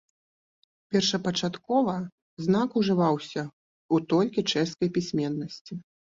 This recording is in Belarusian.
Першапачаткова знак ужываўся ў толькі чэшскай пісьменнасці.